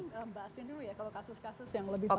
ke mbak aswin dulu ya kalau kasus kasus yang lebih banyak